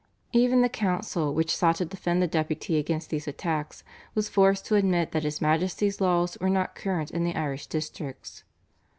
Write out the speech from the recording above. Even the council, which sought to defend the Deputy against these attacks, was forced to admit that his Majesty's laws were not current in the Irish districts.